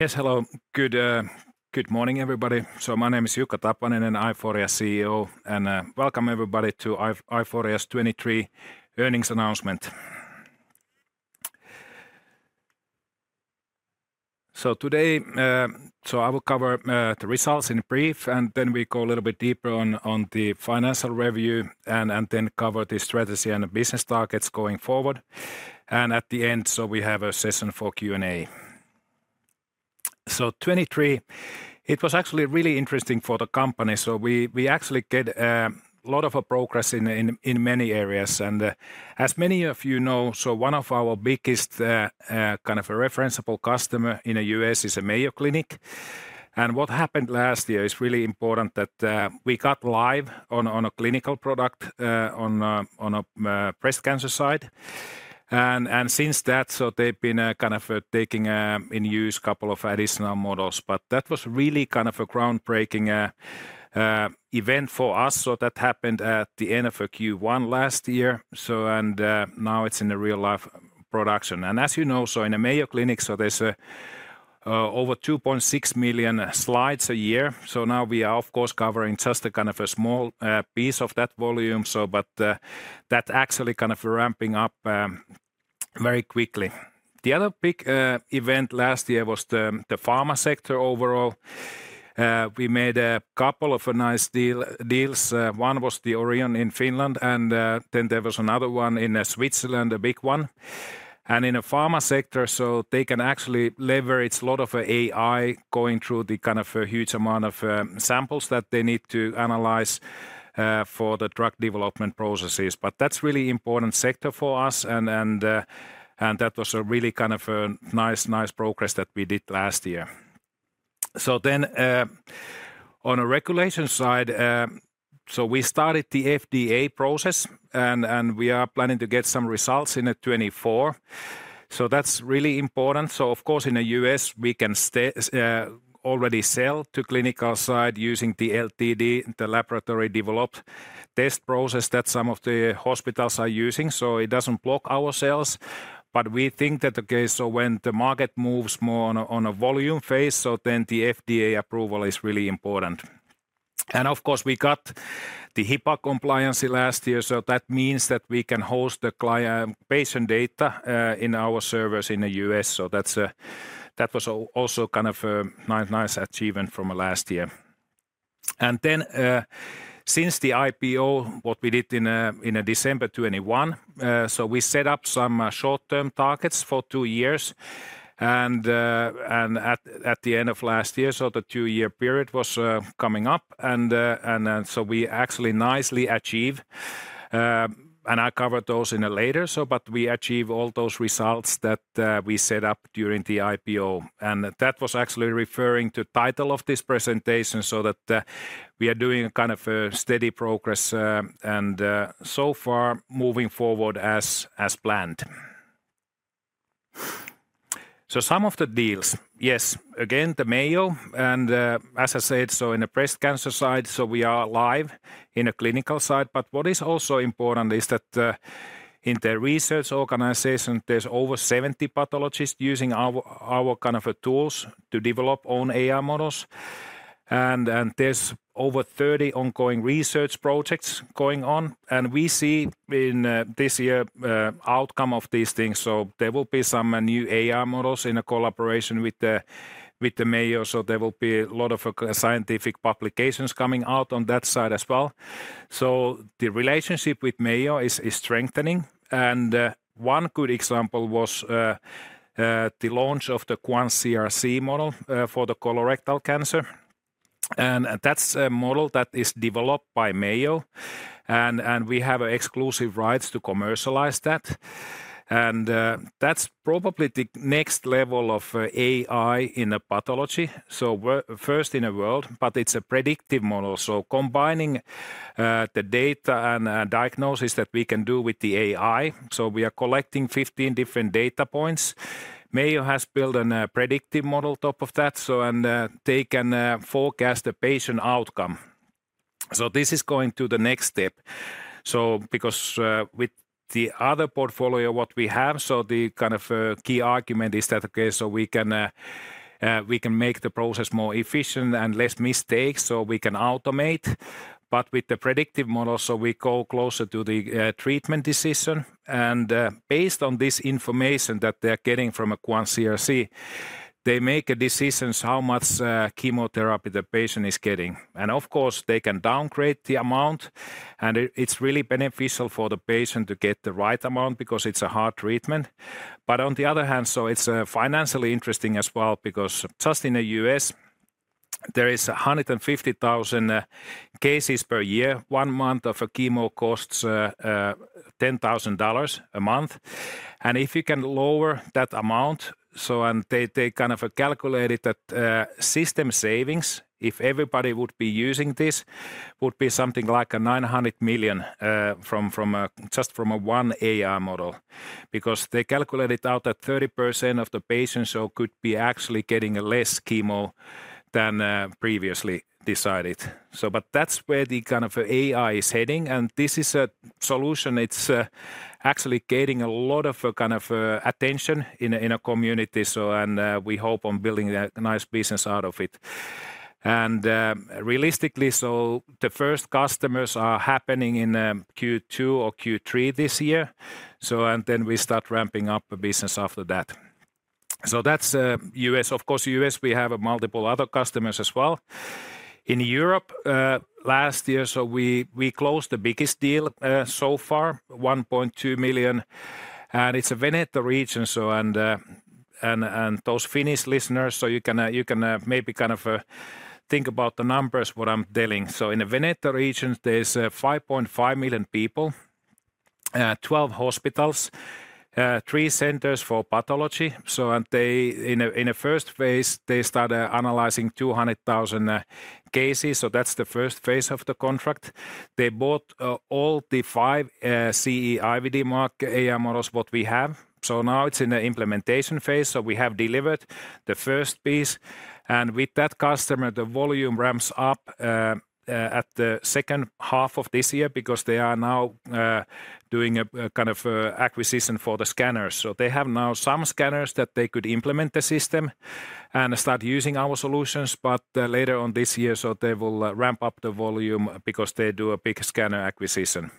Yes, hello. Good morning, everybody. My name is Jukka Tapaninen, Aiforia CEO, and welcome, everybody, to Aiforia's 2023 earnings announcement. Today, I will cover the results in brief, and then we go a little bit deeper on the financial review and then cover the strategy and business targets going forward. At the end, we have a session for Q&A. 2023, it was actually really interesting for the company. We actually get a lot of progress in many areas. As many of you know, one of our biggest kind of referenceable customers in the U.S. is Mayo Clinic. What happened last year is really important that we got live on a clinical product on a breast cancer side. Since that, they've been kind of taking in use a couple of additional models. That was really kind of a groundbreaking event for us. So that happened at the end of Q1 last year. And now it's in real-life production. And as you know, in Mayo Clinic, there's over 2.6 million slides a year. So now we are, of course, covering just a kind of a small piece of that volume. But that's actually kind of ramping up very quickly. The other big event last year was the pharma sector overall. We made a couple of nice deals. One was the Orion in Finland. And then there was another one in Switzerland, a big one. And in the pharma sector, they can actually leverage a lot of AI going through the kind of huge amount of samples that they need to analyze for the drug development processes. But that's a really important sector for us. And that was a really kind of nice progress that we did last year. So then on the regulation side, we started the FDA process. And we are planning to get some results in 2024. So that's really important. So, of course, in the U.S., we can already sell to the clinical side using the LDT, the laboratory-developed test process that some of the hospitals are using. So it doesn't block our sales. But we think that when the market moves more on a volume phase, then the FDA approval is really important. And, of course, we got the HIPAA compliance last year. So that means that we can host the patient data in our servers in the U.S. So that was also kind of a nice achievement from last year. And then since the IPO, what we did in December 2021, we set up some short-term targets for two years. And at the end of last year, the two-year period was coming up. And so we actually nicely achieved... And I covered those later. But we achieved all those results that we set up during the IPO. And that was actually referring to the title of this presentation so that we are doing kind of steady progress and so far moving forward as planned. So some of the deals. Yes, again, the Mayo. And as I said, in the breast cancer side, we are live in the clinical side. But what is also important is that in the research organization, there's over 70 pathologists using our kind of tools to develop own AI models. And there's over 30 ongoing research projects going on. And we see this year the outcome of these things. So there will be some new AI models in collaboration with the Mayo. So there will be a lot of scientific publications coming out on that side as well. So the relationship with Mayo is strengthening. One good example was the launch of the QuantCRC model for colorectal cancer. That's a model that is developed by Mayo. We have exclusive rights to commercialize that. That's probably the next level of AI in pathology. First in the world. But it's a predictive model. Combining the data and diagnosis that we can do with the AI. We are collecting 15 different data points. Mayo has built a predictive model on top of that and forecasts the patient outcome. This is going to the next step. Because with the other portfolio what we have, the kind of key argument is that we can make the process more efficient and less mistakes. We can automate. But with the predictive model, we go closer to the treatment decision. Based on this information that they're getting from QuantCRC, they make decisions on how much chemotherapy the patient is getting. And, of course, they can downgrade the amount. And it's really beneficial for the patient to get the right amount because it's a hard treatment. But on the other hand, it's financially interesting as well because just in the US, there are 150,000 cases per year. One month of chemo costs $10,000 a month. And if you can lower that amount... They kind of calculated that system savings, if everybody would be using this, would be something like $900 million just from one AI model. Because they calculated out that 30% of the patients could be actually getting less chemo than previously decided. But that's where the kind of AI is heading. And this is a solution. It's actually getting a lot of kind of attention in the community. We hope to build a nice business out of it. Realistically, the first customers are happening in Q2 or Q3 this year. Then we start ramping up the business after that. Of course, in the US, we have multiple other customers as well. In Europe last year, we closed the biggest deal so far, 1.2 million. It's the Veneto region. Those Finnish listeners, you can maybe kind of think about the numbers, what I'm telling. In the Veneto region, there are 5.5 million people, 12 hospitals, three centers for pathology. In the first phase, they started analyzing 200,000 cases. So that's the first phase of the contract. They bought all the five CE-IVD-marked AI models what we have. So now it's in the implementation phase. So we have delivered the first piece. And with that customer, the volume ramps up at the second half of this year because they are now doing kind of acquisition for the scanners. So they have now some scanners that they could implement the system and start using our solutions. But later on this year, they will ramp up the volume because they do a big scanner acquisition.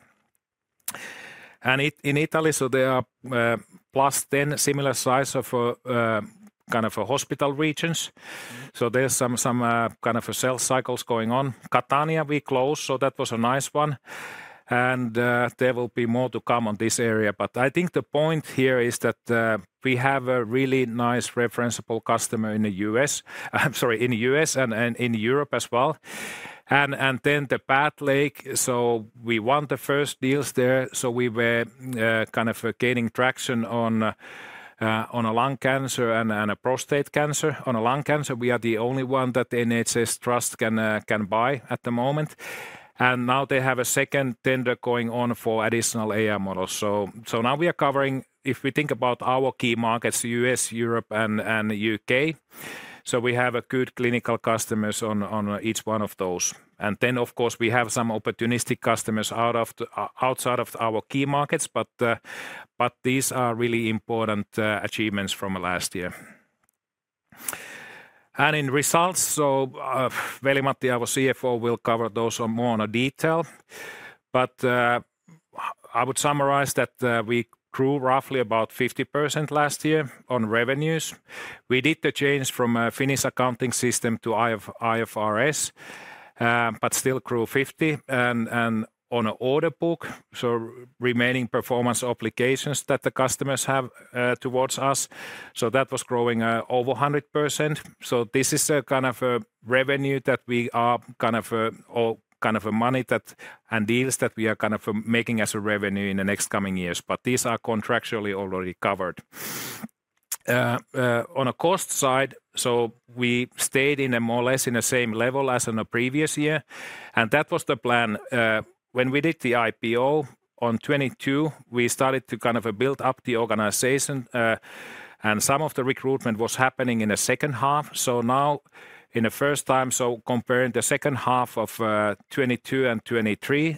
And in Italy, there are +10 similar size kind of hospital regions. So there are some kind of sales cycles going on. Catania, we closed. So that was a nice one. And there will be more to come on this area. But I think the point here is that we have a really nice referenceable customer in the U.S. I'm sorry, in the U.S. and in Europe as well. And then the PathLAKE. So we won the first deals there. So we were kind of gaining traction on lung cancer and prostate cancer. On lung cancer, we are the only one that NHS Trust can buy at the moment. And now they have a second tender going on for additional AI models. So now we are covering... If we think about our key markets, the U.S., Europe, and U.K., we have good clinical customers on each one of those. And then, of course, we have some opportunistic customers outside of our key markets. But these are really important achievements from last year. And in results, Veli-Matti, our CFO, will cover those more in detail. But I would summarize that we grew roughly about 50% last year on revenues. We did the change from a Finnish accounting system to IFRS, but still grew 50% on the order book. So remaining performance obligations that the customers have towards us. So that was growing over 100%. So this is kind of revenue that we are kind of... All kind of money and deals that we are kind of making as revenue in the next coming years. But these are contractually already covered. On the cost side, we stayed more or less in the same level as in the previous year. And that was the plan. When we did the IPO in 2022, we started to kind of build up the organization. And some of the recruitment was happening in the second half. So now in the first time, comparing the second half of 2022 and 2023,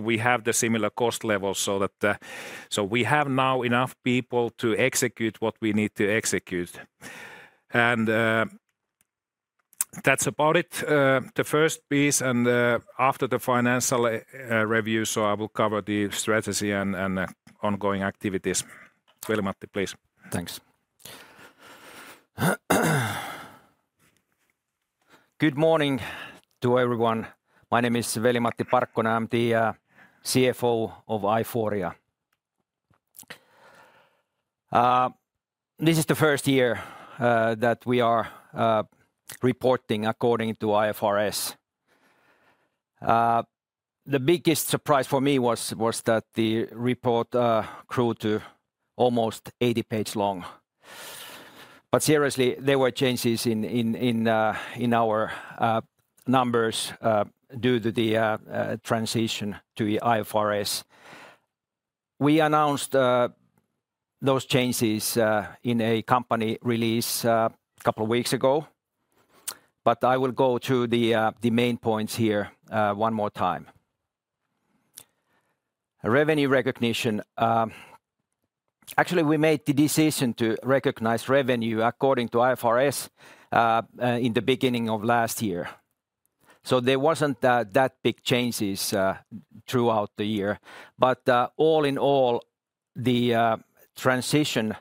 we have the similar cost levels. So we have now enough people to execute what we need to execute. And that's about it, the first piece. And after the financial review, I will cover the strategy and ongoing activities. Veli-Matti, please. Thanks. Good morning to everyone. My name is Veli-Matti Parkkonen, I'm the CFO of Aiforia. This is the first year that we are reporting according to IFRS. The biggest surprise for me was that the report grew to almost 80 pages long. But seriously, there were changes in our numbers due to the transition to IFRS. We announced those changes in a company release a couple of weeks ago. But I will go through the main points here one more time. Revenue recognition. Actually, we made the decision to recognize revenue according to IFRS in the beginning of last year. So there weren't that big changes throughout the year. But all in all, the transition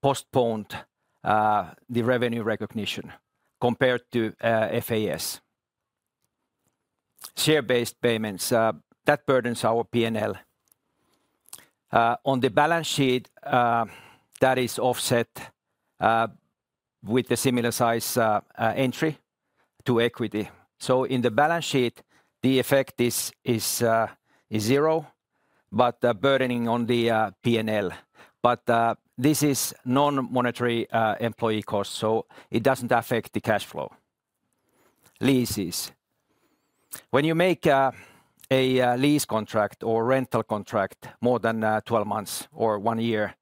postponed the revenue recognition compared to FAS. Share-based payments, that burdens our P&L. On the balance sheet, that is offset with a similar-sized entry to equity. In the balance sheet, the effect is zero, but burdening on the P&L. This is non-monetary employee costs. It doesn't affect the cash flow. Leases. When you make a lease contract or rental contract more than 12 months or one year,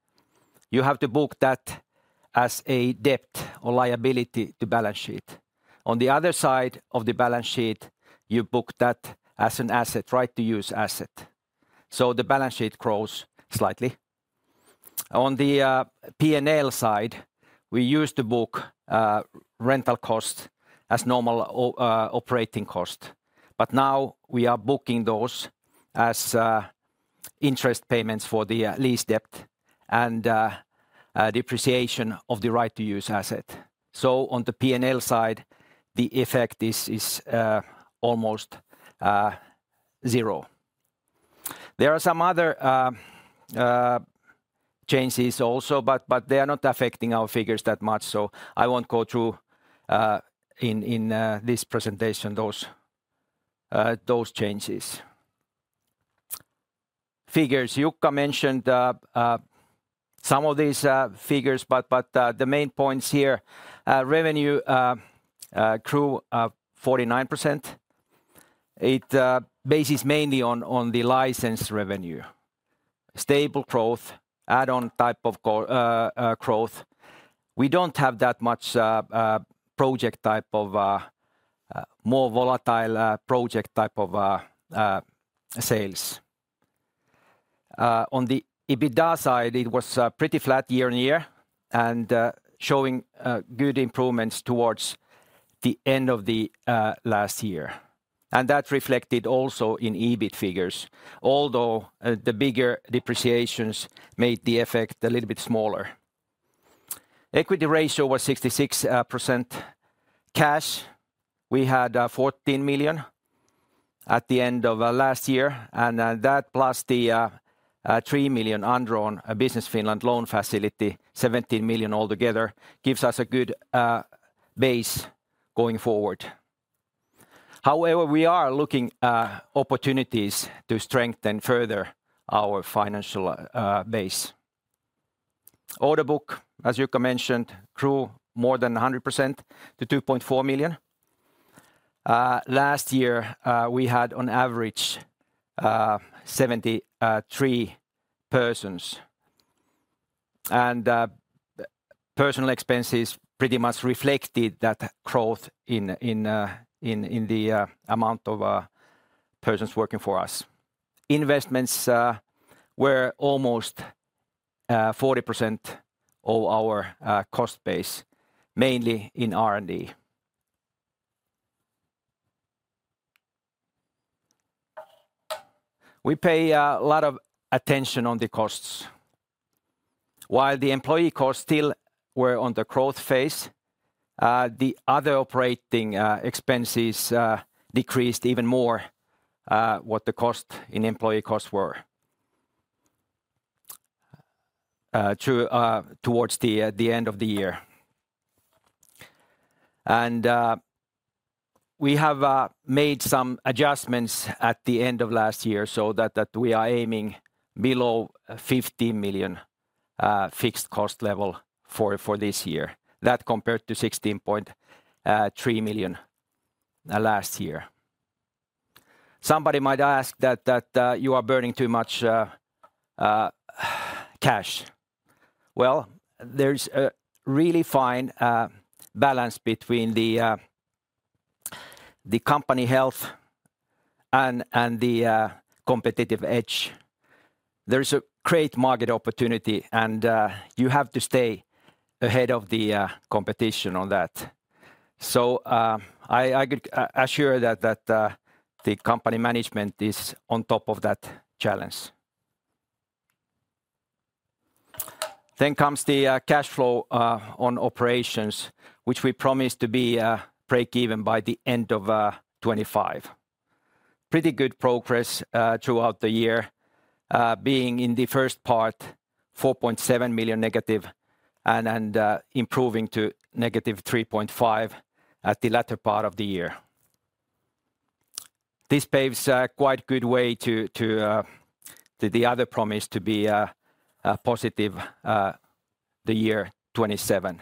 you have to book that as a debt or liability to balance sheet. On the other side of the balance sheet, you book that as an asset, right-to-use asset. The balance sheet grows slightly. On the P&L side, we used to book rental costs as normal operating costs. Now we are booking those as interest payments for the lease debt and depreciation of the right-to-use asset. On the P&L side, the effect is almost zero. There are some other changes also, but they are not affecting our figures that much. I won't go through in this presentation those changes. Figures. Jukka mentioned some of these figures. The main points here. Revenue grew 49%. It bases mainly on the license revenue. Stable growth, add-on type of growth. We don't have that much project type of... More volatile project type of sales. On the EBITDA side, it was pretty flat year on year and showing good improvements towards the end of last year. That reflected also in EBIT figures, although the bigger depreciations made the effect a little bit smaller. Equity ratio was 66%. Cash. We had 14 million at the end of last year. That plus the 3 million underwritten Business Finland loan facility, 17 million altogether, gives us a good base going forward. However, we are looking at opportunities to strengthen further our financial base. Order book, as Jukka mentioned, grew more than 100% to 2.4 million. Last year, we had on average 73 persons. Personal expenses pretty much reflected that growth in the amount of persons working for us. Investments were almost 40% of our cost base, mainly in R&D. We pay a lot of attention to the costs. While the employee costs still were on the growth phase, the other operating expenses decreased even more, what the employee costs were, towards the end of the year. We have made some adjustments at the end of last year so that we are aiming below 15 million fixed cost level for this year. That compared to 16.3 million last year. Somebody might ask that you are burning too much cash. Well, there is a really fine balance between the company health and the competitive edge. There is a great market opportunity, and you have to stay ahead of the competition on that. So I could assure that the company management is on top of that challenge. Then comes the cash flow on operations, which we promised to be break-even by the end of 2025. Pretty good progress throughout the year, being in the first part -4.7 million and improving to -3.5 million at the latter part of the year. This paves quite a good way to the other promise to be positive the year 2027.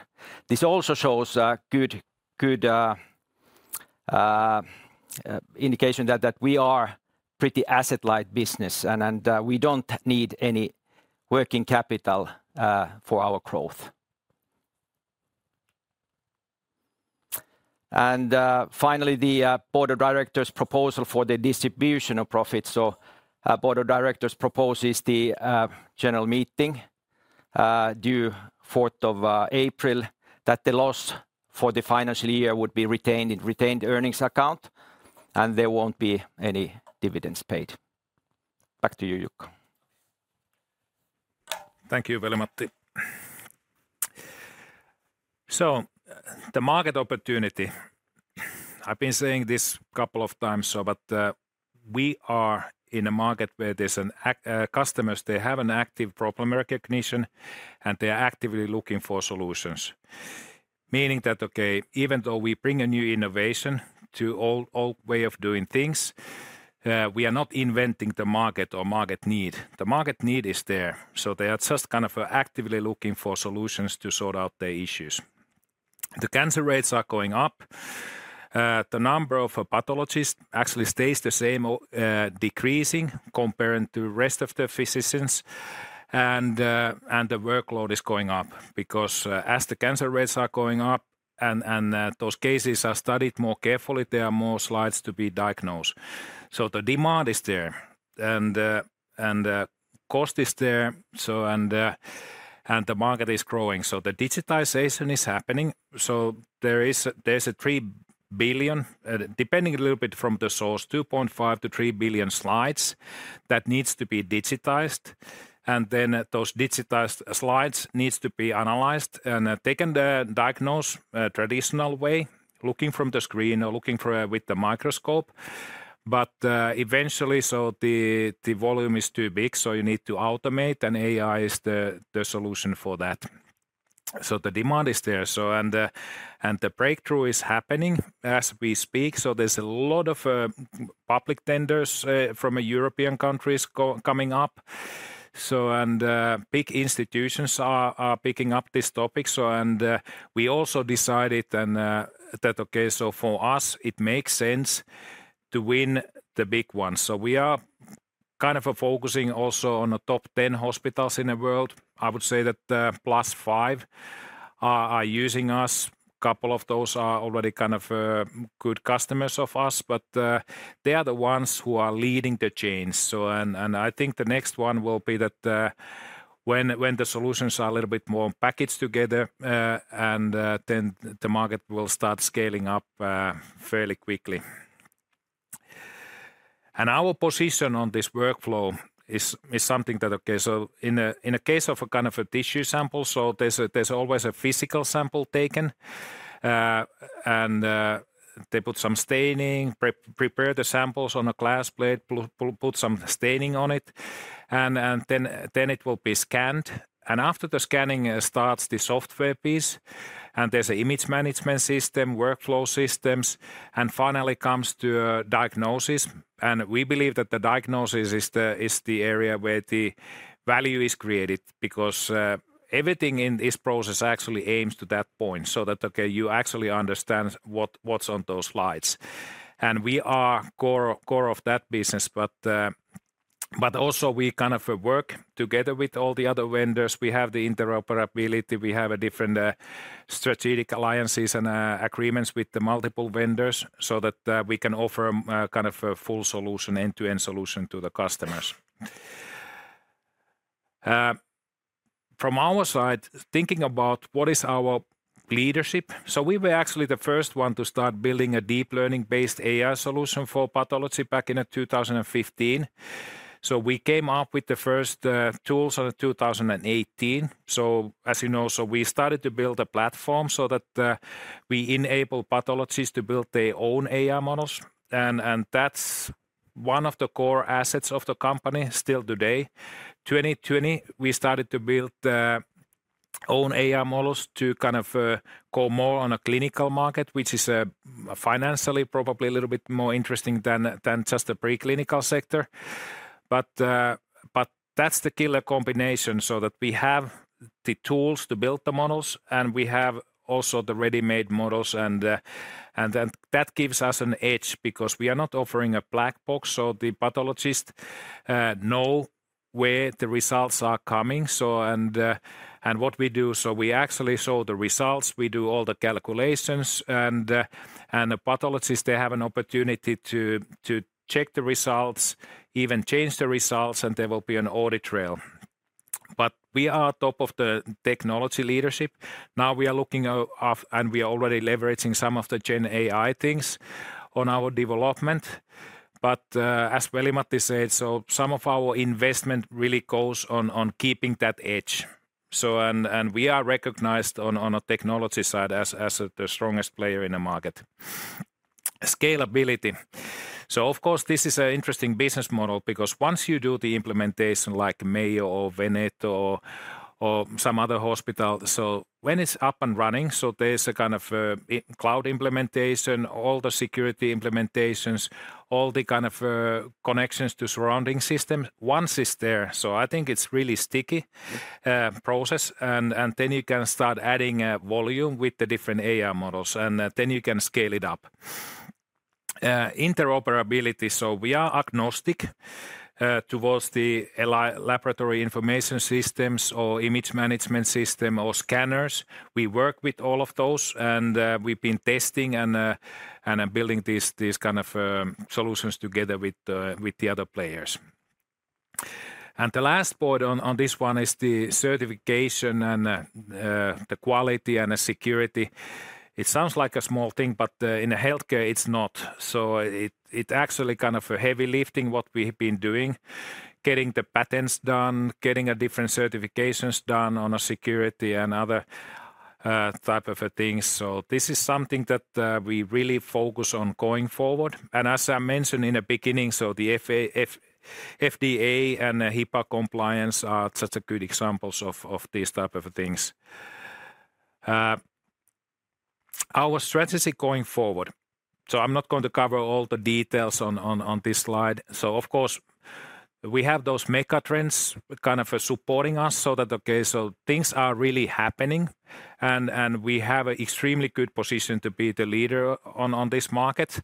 This also shows a good indication that we are a pretty asset-light business, and we don't need any working capital for our growth. And finally, the board of directors' proposal for the distribution of profits. So the board of directors proposes the general meeting on 4th of April, that the loss for the financial year would be retained in the retained earnings account, and there won't be any dividends paid. Back to you, Jukka. Thank you, Veli-Matti. So the market opportunity. I've been saying this a couple of times, but we are in a market where there are customers who have an active problem recognition, and they are actively looking for solutions. Meaning that, okay, even though we bring a new innovation to our way of doing things, we are not inventing the market or market need. The market need is there. So they are just kind of actively looking for solutions to sort out their issues. The cancer rates are going up. The number of pathologists actually stays the same, decreasing compared to the rest of the physicians. And the workload is going up because as the cancer rates are going up and those cases are studied more carefully, there are more slides to be diagnosed. So the demand is there. And the cost is there. And the market is growing. So the digitization is happening. So there are 3 billion, depending a little bit from the source, 2.5-3 billion slides that need to be digitized. And then those digitized slides need to be analyzed and taken diagnosed in the traditional way, looking from the screen or looking with the microscope. But eventually, the volume is too big, so you need to automate, and AI is the solution for that. So the demand is there. And the breakthrough is happening as we speak. So there's a lot of public tenders from European countries coming up. And big institutions are picking up this topic. And we also decided that, okay, so for us, it makes sense to win the big ones. So we are kind of focusing also on the top 10 hospitals in the world. I would say that plus five are using us. A couple of those are already kind of good customers of us. But they are the ones who are leading the change. I think the next one will be that when the solutions are a little bit more packaged together, then the market will start scaling up fairly quickly. Our position on this workflow is something that... Okay, so in the case of a kind of a tissue sample, there's always a physical sample taken. They put some staining, prepare the samples on a glass plate, put some staining on it. Then it will be scanned. After the scanning starts, the software piece. There's an image management system, workflow systems. Finally comes to a diagnosis. And we believe that the diagnosis is the area where the value is created because everything in this process actually aims to that point so that, okay, you actually understand what's on those slides. And we are the core of that business. But also we kind of work together with all the other vendors. We have the interoperability. We have different strategic alliances and agreements with the multiple vendors so that we can offer kind of a full solution, end-to-end solution to the customers. From our side, thinking about what is our leadership. So we were actually the first one to start building a deep learning-based AI solution for pathology back in 2015. So we came up with the first tools in 2018. So as you know, we started to build a platform so that we enable pathologists to build their own AI models. That's one of the core assets of the company still today. In 2020, we started to build our own AI models to kind of go more on a clinical market, which is financially probably a little bit more interesting than just the preclinical sector. That's the killer combination so that we have the tools to build the models, and we have also the ready-made models. That gives us an edge because we are not offering a black box. The pathologists know where the results are coming. What we do... we actually show the results. We do all the calculations. The pathologists, they have an opportunity to check the results, even change the results, and there will be an audit trail. We are top of the technology leadership. Now we are looking up, and we are already leveraging some of the Gen AI things on our development. But as Veli-Matti said, some of our investment really goes on keeping that edge. So we are recognized on the technology side as the strongest player in the market. Scalability. So of course, this is an interesting business model because once you do the implementation like Mayo or Veneto or some other hospital... So when it's up and running, there's a kind of cloud implementation, all the security implementations, all the kind of connections to surrounding systems. Once it's there, so I think it's a really sticky process. And then you can start adding volume with the different AI models. And then you can scale it up. Interoperability. So we are agnostic towards the laboratory information systems or image management system or scanners. We work with all of those. We've been testing and building these kind of solutions together with the other players. The last point on this one is the certification and the quality and the security. It sounds like a small thing, but in healthcare, it's not. So it's actually kind of heavy lifting, what we've been doing. Getting the patents done, getting different certifications done on security and other types of things. So this is something that we really focus on going forward. As I mentioned in the beginning, the FDA and HIPAA compliance are such good examples of these types of things. Our strategy going forward. So I'm not going to cover all the details on this slide. So of course, we have those megatrends kind of supporting us so that, okay, things are really happening. We have an extremely good position to be the leader on this market.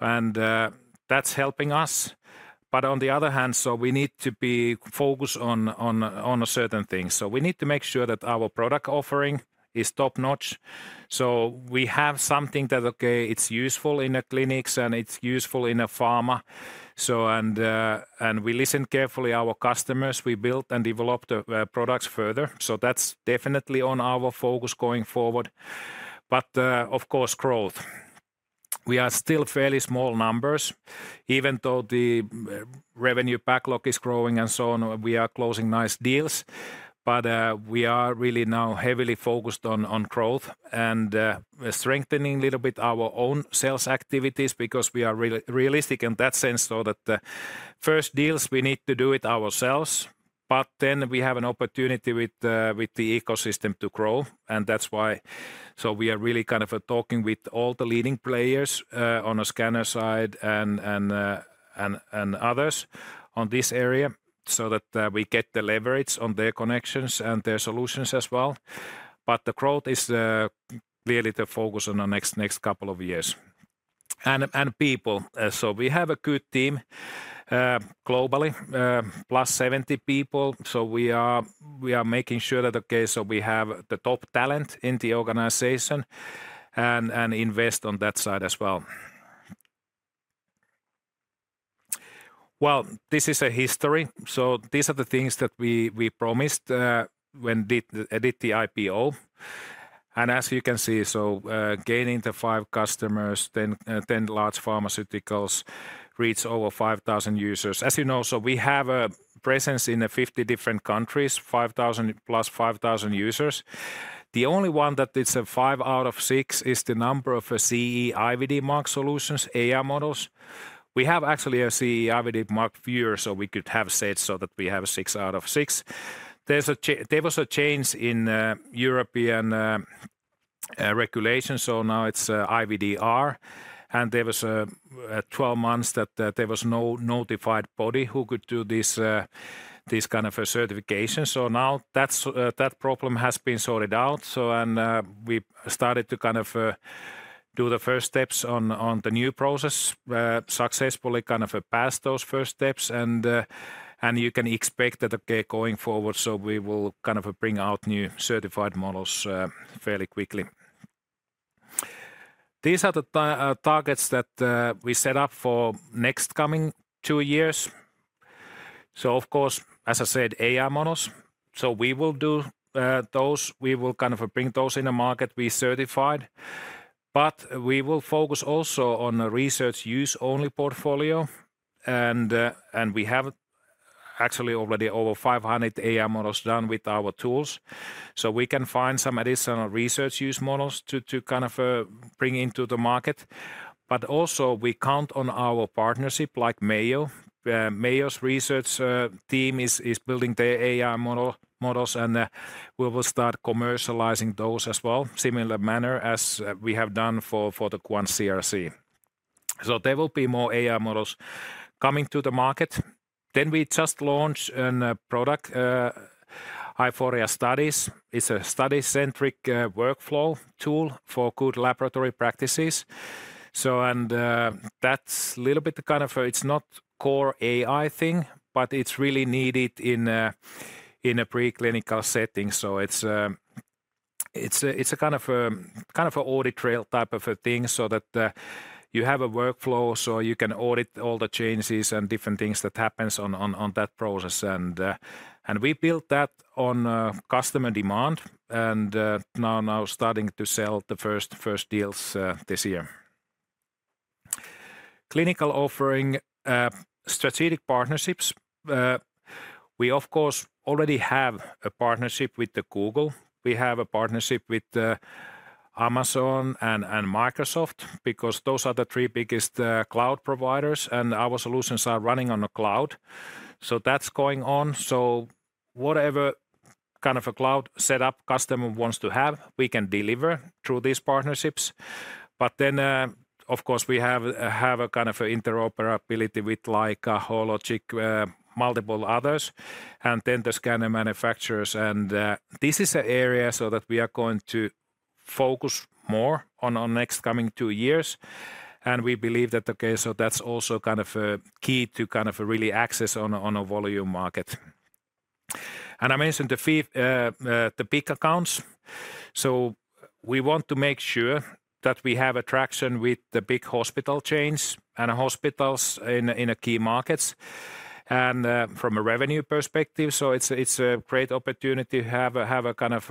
That's helping us. On the other hand, we need to be focused on certain things. We need to make sure that our product offering is top-notch. We have something that, okay, it's useful in the clinics, and it's useful in pharma. We listen carefully to our customers. We build and develop the products further. That's definitely on our focus going forward. Of course, growth. We are still fairly small numbers. Even though the revenue backlog is growing and so on, we are closing nice deals. We are really now heavily focused on growth and strengthening a little bit our own sales activities because we are realistic in that sense so that the first deals, we need to do it ourselves. Then we have an opportunity with the ecosystem to grow. That's why. So we are really kind of talking with all the leading players on the scanner side and others on this area so that we get the leverage on their connections and their solutions as well. But the growth is clearly the focus on the next couple of years. And people. So we have a good team globally, plus 70 people. So we are making sure that, okay, we have the top talent in the organization and invest on that side as well. Well, this is a history. So these are the things that we promised when we did the IPO. And as you can see, gaining the 5 customers, then large pharmaceuticals reach over 5,000 users. As you know, we have a presence in 50 different countries, plus 5,000 users. The only one that is a 5 out of 6 is the number of CE-IVD-marked solutions, AI models. We have actually a CE-IVD mark viewer, so we could have said so that we have a six out of six. There was a change in European regulation, so now it's IVDR. And there was 12 months that there was no notified body who could do this kind of certification. So now that problem has been sorted out. And we started to kind of do the first steps on the new process successfully, kind of passed those first steps. And you can expect that, okay, going forward, we will kind of bring out new certified models fairly quickly. These are the targets that we set up for the next coming two years. So of course, as I said, AI models. So we will do those. We will kind of bring those in the market. We certified. But we will focus also on a research use-only portfolio. We have actually already over 500 AI models done with our tools. We can find some additional research use models to kind of bring into the market. But also, we count on our partnership like Mayo. Mayo's research team is building their AI models, and we will start commercializing those as well, in a similar manner as we have done for the QuantCRC. There will be more AI models coming to the market. We just launched a product, Aiforia Studies. It's a study-centric workflow tool for good laboratory practices. That's a little bit kind of... It's not a core AI thing, but it's really needed in a preclinical setting. It's a kind of an audit trail type of a thing so that you have a workflow so you can audit all the changes and different things that happen on that process. We built that on customer demand. Now starting to sell the first deals this year. Clinical offering, strategic partnerships. We, of course, already have a partnership with Google. We have a partnership with Amazon and Microsoft because those are the three biggest cloud providers. Our solutions are running on the cloud. So that's going on. So whatever kind of a cloud setup customer wants to have, we can deliver through these partnerships. But then, of course, we have a kind of interoperability with Hologic, multiple others, and then the scanner manufacturers. This is an area so that we are going to focus more on the next coming two years. We believe that, okay, that's also kind of a key to kind of really access on a volume market. I mentioned the big accounts. We want to make sure that we have traction with the big hospital chains and hospitals in key markets and from a revenue perspective. It's a great opportunity to have kind of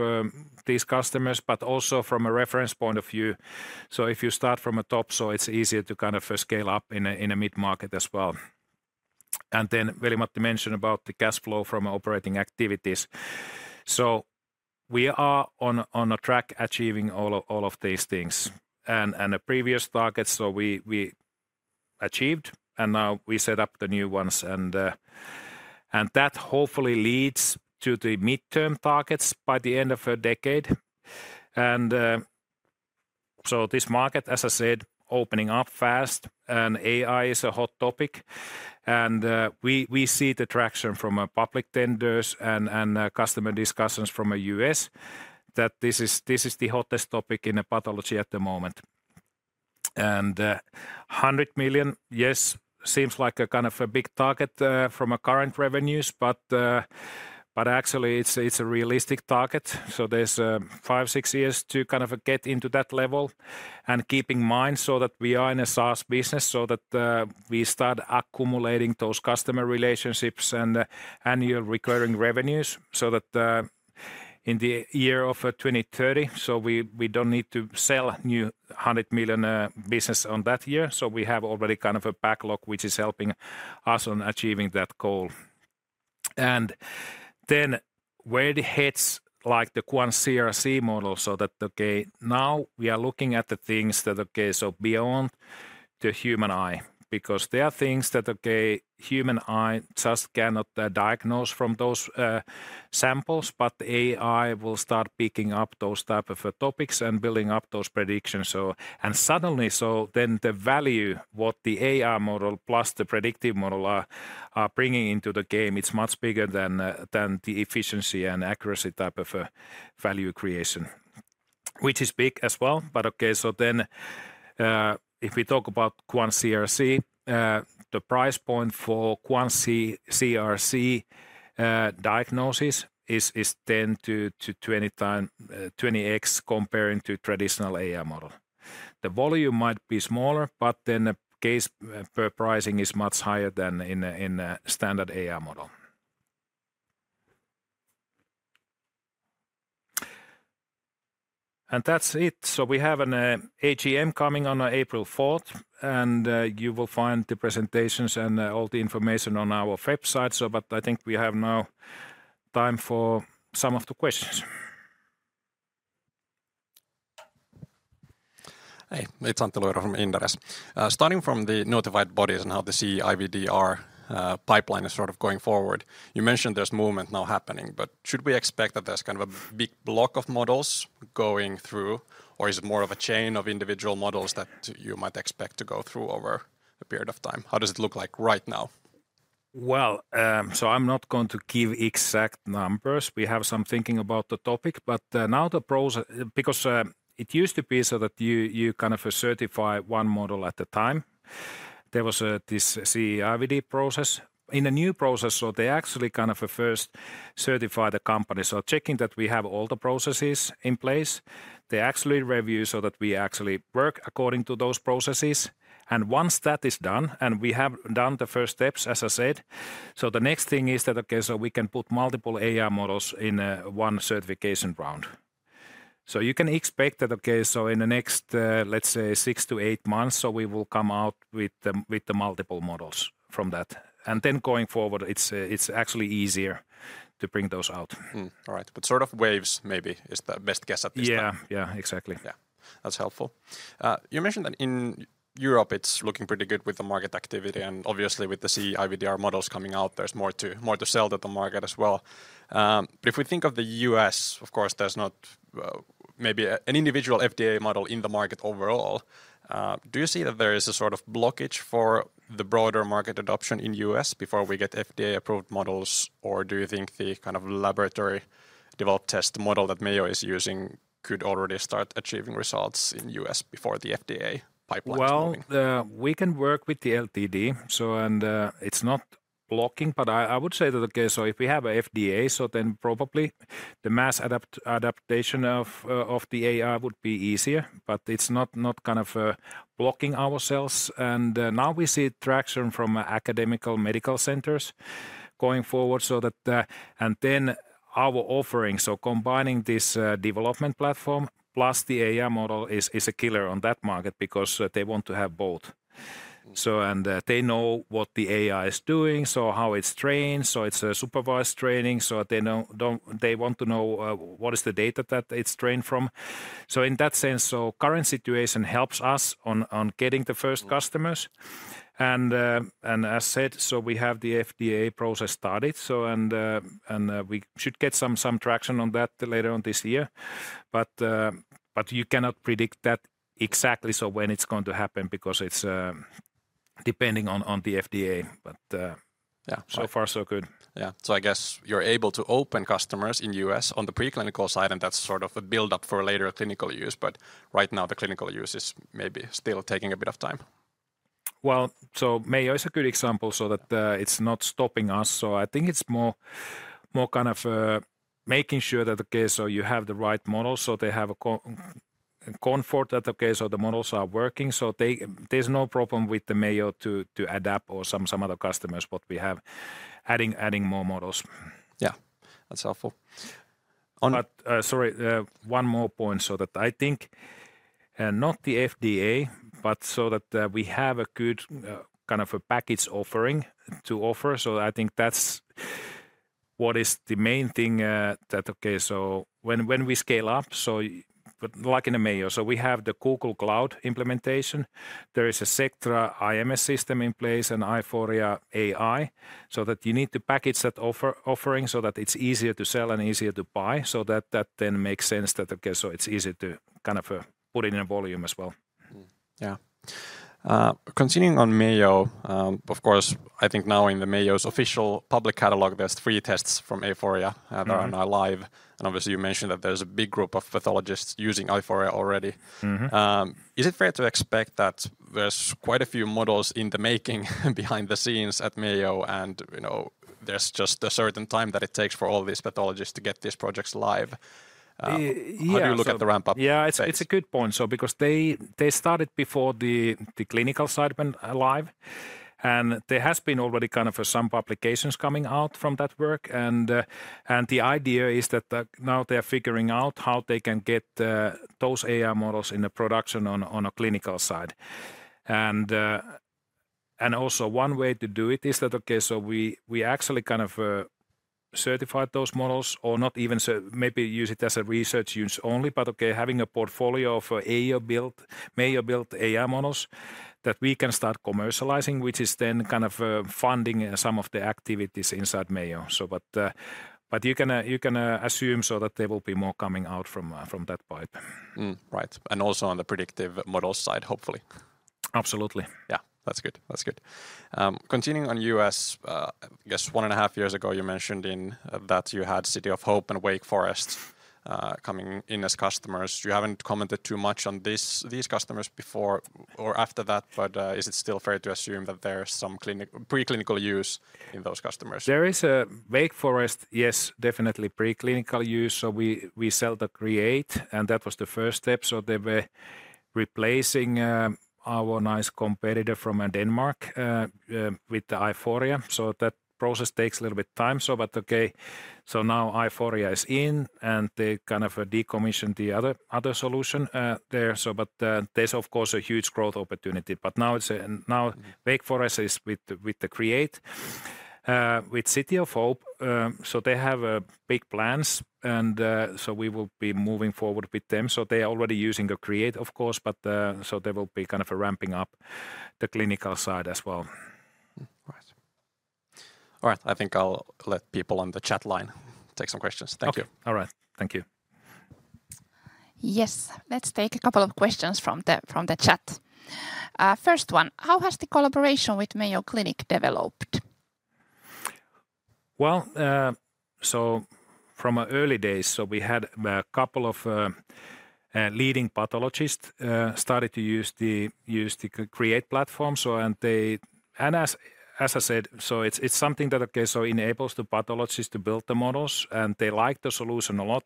these customers, but also from a reference point of view. If you start from the top, it's easier to kind of scale up in the mid-market as well. Then Veli-Matti mentioned about the cash flow from operating activities. We are on track achieving all of these things. The previous targets, we achieved, and now we set up the new ones. That hopefully leads to the midterm targets by the end of the decade. This market, as I said, is opening up fast. AI is a hot topic. We see the traction from public tenders and customer discussions from the US that this is the hottest topic in pathology at the moment. 100 million, yes, seems like a kind of a big target from current revenues. But actually, it's a realistic target. So there's 5-6 years to kind of get into that level and keep in mind so that we are in a SaaS business so that we start accumulating those customer relationships and annual recurring revenues so that in the year of 2030, we don't need to sell new 100 million business on that year. So we have already kind of a backlog, which is helping us on achieving that goal. And then where it heads, like the QuantCRC model, so that, okay, now we are looking at the things that, okay, beyond the human eye because there are things that, okay, the human eye just cannot diagnose from those samples, but the AI will start picking up those types of topics and building up those predictions. And suddenly, then the value, what the AI model plus the predictive model are bringing into the game, it's much bigger than the efficiency and accuracy type of value creation, which is big as well. But okay, so then if we talk about QuantCRC, the price point for QuantCRC diagnosis is 10-20 times 20x comparing to the traditional AI model. The volume might be smaller, but then the case per pricing is much higher than in the standard AI model. And that's it. So we have an AGM coming on April 4th. You will find the presentations and all the information on our website. I think we have now time for some of the questions. Hej, Mikael Rautanen här från Inderes. Starting from the notified bodies and how the CE-IVDR pipeline is sort of going forward, you mentioned there's movement now happening. Should we expect that there's kind of a big block of models going through, or is it more of a chain of individual models that you might expect to go through over a period of time? How does it look like right now? Well, so I'm not going to give exact numbers. We have some thinking about the topic. Now the process... Because it used to be so that you kind of certify one model at a time. There was this CE-IVD process. In the new process, they actually kind of first certify the company. So checking that we have all the processes in place. They actually review so that we actually work according to those processes. And once that is done and we have done the first steps, as I said, so the next thing is that, okay, we can put multiple AI models in one certification round. So you can expect that, okay, in the next, let's say, six to eight months, we will come out with the multiple models from that. And then going forward, it's actually easier to bring those out. All right. But sort of waves maybe is the best guess at this point. Yeah, yeah, exactly. Yeah, that's helpful. You mentioned that in Europe, it's looking pretty good with the market activity. Obviously, with the CE-IVDR models coming out, there's more to sell to the market as well. But if we think of the US, of course, there's not maybe an individual FDA model in the market overall. Do you see that there is a sort of blockage for the broader market adoption in the US before we get FDA-approved models? Or do you think the kind of laboratory-developed test model that Mayo is using could already start achieving results in the US before the FDA pipeline is moving? Well, we can work with the LDT. And it's not blocking. But I would say that, okay, if we have an FDA, then probably the mass adoption of the AI would be easier. But it's not kind of blocking ourselves. And now we see traction from academic medical centers going forward. And then our offering, so combining this development platform plus the AI model, is a killer on that market because they want to have both. And they know what the AI is doing, so how it's trained. So it's supervised training. So they want to know what is the data that it's trained from. So in that sense, the current situation helps us on getting the first customers. And as I said, we have the FDA process started. And we should get some traction on that later on this year. But you cannot predict that exactly when it's going to happen because it's depending on the FDA. But so far, so good. Yeah. So I guess you're able to open customers in the US on the preclinical side, and that's sort of a buildup for later clinical use. But right now, the clinical use is maybe still taking a bit of time. Well, so Mayo is a good example so that it's not stopping us. So I think it's more kind of making sure that, okay, you have the right models. So they have a comfort that, okay, the models are working. So there's no problem with Mayo to adapt or some other customers, what we have, adding more models. Yeah, that's helpful. But sorry, one more point so that I think not the FDA, but so that we have a good kind of package offering to offer. So I think that's what is the main thing that, okay, when we scale up... But like in the Mayo, we have the Google Cloud implementation. There is a Sectra IMS system in place and Aiforia AI so that you need to package that offering so that it's easier to sell and easier to buy. So that then makes sense that, okay, it's easy to kind of put it in volume as well. Yeah. Continuing on Mayo, of course, I think now in the Mayo's official public catalog, there are three tests from Aiforia that are now live. And obviously, you mentioned that there's a big group of pathologists using Aiforia already. Is it fair to expect that there's quite a few models in the making behind the scenes at Mayo? And there's just a certain time that it takes for all these pathologists to get these projects live? How do you look at the ramp-up? Yeah, it's a good point because they started before the clinical side went live. There have been already kind of some publications coming out from that work. The idea is that now they are figuring out how they can get those AI models in production on a clinical side. Also, one way to do it is that, okay, we actually kind of certify those models or not even maybe use it as a research use only. But having a portfolio of Mayo-built AI models that we can start commercializing, which is then kind of funding some of the activities inside Mayo. But you can assume that there will be more coming out from that pipe. Right. Also on the predictive model side, hopefully. Absolutely. Yeah, that's good. That's good. Continuing on the US, I guess 1.5 years ago, you mentioned that you had City of Hope and Wake Forest coming in as customers. You haven't commented too much on these customers before or after that. But is it still fair to assume that there's some preclinical use in those customers? There is a Wake Forest, yes, definitely preclinical use. So we sell the Create. And that was the first step. So they were replacing our nice competitor from Denmark with the Aiforia. So that process takes a little bit of time. But okay, now Aiforia is in, and they kind of decommissioned the other solution there. But there's, of course, a huge growth opportunity. But now Wake Forest is with the Create, with City of Hope. So they have big plans. And so we will be moving forward with them. So they are already using the Create, of course. But so they will be kind of ramping up the clinical side as well. Right. All right. I think I'll let people on the chat line take some questions. Thank you. All right. Thank you. Yes. Let's take a couple of questions from the chat. First one, how has the collaboration with Mayo Clinic developed? Well, so from early days, we had a couple of leading pathologists started to use the Create platform. And as I said, it's something that enables the pathologists to build the models. And they like the solution a lot.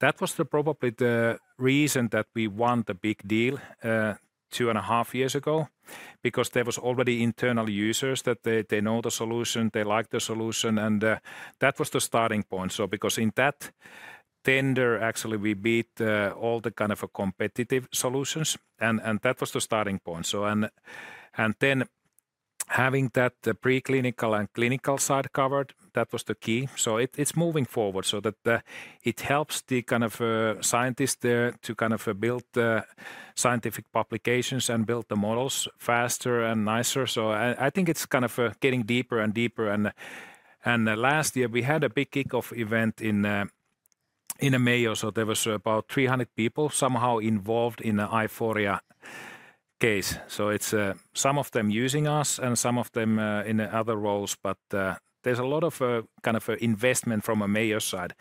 That was probably the reason that we won the big deal 2.5 years ago because there were already internal users that they know the solution. They like the solution. And that was the starting point. Because in that tender, actually, we beat all the kind of competitive solutions. And that was the starting point. And then having that preclinical and clinical side covered, that was the key. So it's moving forward so that it helps the kind of scientists there to kind of build the scientific publications and build the models faster and nicer. So I think it's kind of getting deeper and deeper. And last year, we had a big kickoff event in Mayo. So there were about 300 people somehow involved in the Aiforia case. So it's some of them using us and some of them in other roles. But there's a lot of kind of investment from the Mayo side,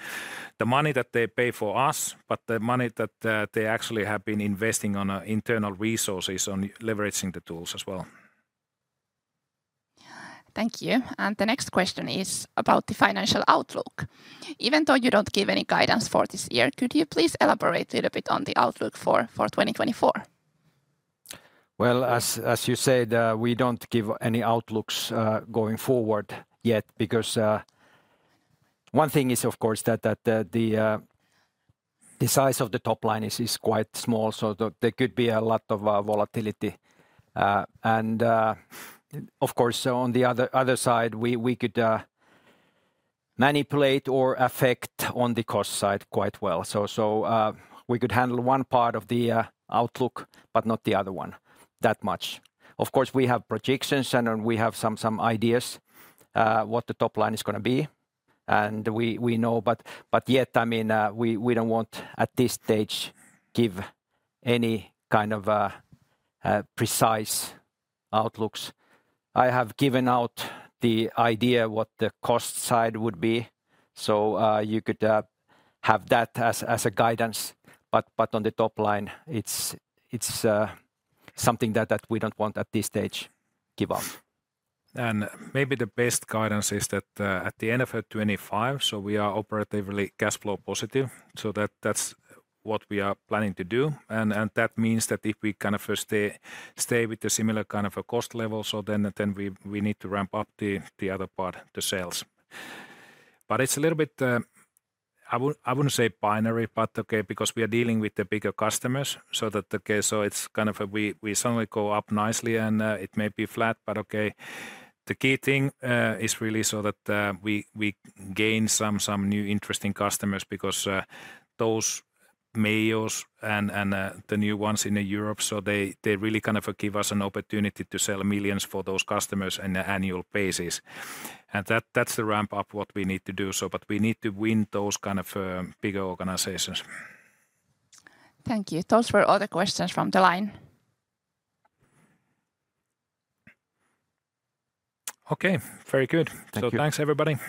the money that they pay for us, but the money that they actually have been investing on internal resources on leveraging the tools as well. Thank you. And the next question is about the financial outlook. Even though you don't give any guidance for this year, could you please elaborate a little bit on the outlook for 2024? Well, as you said, we don't give any outlooks going forward yet because one thing is, of course, that the size of the top line is quite small. So there could be a lot of volatility. And of course, on the other side, we could manipulate or affect on the cost side quite well. So we could handle one part of the outlook but not the other one that much. Of course, we have projections, and we have some ideas what the top line is going to be. And we know. But yet, I mean, we don't want, at this stage, to give any kind of precise outlooks. I have given out the idea what the cost side would be. So you could have that as a guidance. But on the top line, it's something that we don't want, at this stage, to give out. Maybe the best guidance is that at the end of 2025, we are operatively cash flow positive. So that's what we are planning to do. And that means that if we kind of stay with a similar kind of cost level, then we need to ramp up the other part, the sales. But it's a little bit... I wouldn't say binary, but okay, because we are dealing with the bigger customers. So it's kind of... We suddenly go up nicely, and it may be flat. But okay, the key thing is really so that we gain some new interesting customers because those Mayos and the new ones in Europe, they really kind of give us an opportunity to sell millions for those customers on an annual basis. And that's the ramp-up what we need to do. But we need to win those kind of bigger organizations. Thank you. Those were all the questions from the line. Okay. Very good. So thanks, everybody.